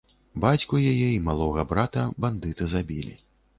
Бацьку яе і малога брата бандыты забілі.